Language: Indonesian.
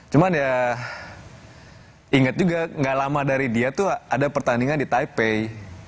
cuman ya inget juga gak lama dari dia tuh ada pertandingan di taipei